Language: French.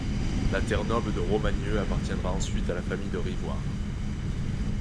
La terre noble de Romagnieu appartiendra ensuite à la famille de Rivoire.